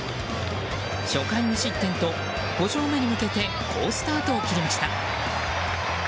初回無失点と５勝目に向けて好スタートを切りました。